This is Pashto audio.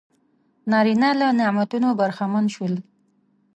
نارینه له نعمتونو برخمن شول.